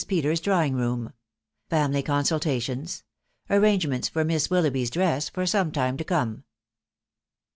PETERS's DRAWING ROOM. FAMILY CONSULTATIONS. ARRANGEMENTS FOB, MISS WILLOUGHBY*S DKES6 FOtt SOME TIME TO COME.